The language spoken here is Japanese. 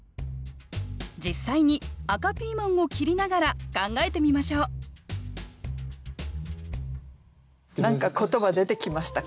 実際に赤ピーマンを切りながら考えてみましょう何か言葉出てきましたか？